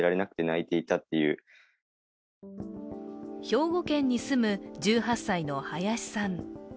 兵庫県に住む１８歳の林さん。